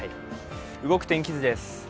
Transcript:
動く天気図です。